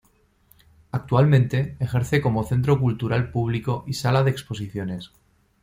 Actualmente ejerce como Centro Cultural público y Sala de Exposiciones.